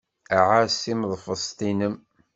Ɛass timeḍfest-nnem.